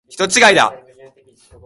人違いだ。